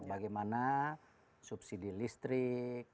bagaimana subsidi listrik